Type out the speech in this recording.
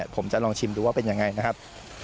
ผมจะลองชิมดูว่าเป็นยังไงนะครับ